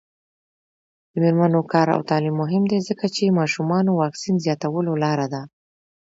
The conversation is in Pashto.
د میرمنو کار او تعلیم مهم دی ځکه چې ماشومانو واکسین زیاتولو لاره ده.